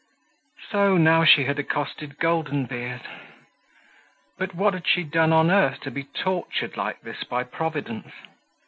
So now she had accosted Golden Beard. But what had she done on earth to be tortured like this by Providence?